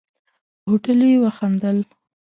هوټلي وخندل.